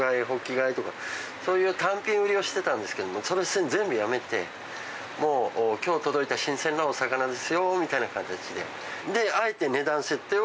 貝とかそういう単品売りをしてたんですけどもそれ全部やめてもう今日届いた新鮮なお魚ですよみたいな形で。